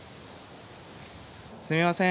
すみません。